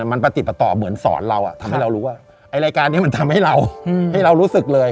มันประติดประต่อเหมือนสอนเราทำให้เรารู้ว่าไอ้รายการนี้มันทำให้เรารู้สึกเลย